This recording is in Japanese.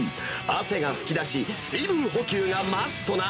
汗が噴き出し、水分補給がマストな